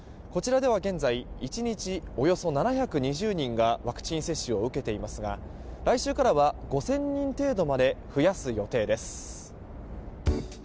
こちらでは現在１日およそ７２０人がワクチン接種を受けていますが来週からは５０００人程度まで増やす予定です。